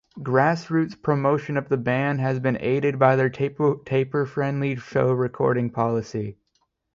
Grassroots promotion of the band has been aided by their taper-friendly show recording policy.